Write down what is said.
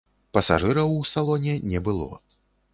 Пасажыраў у салоне не было.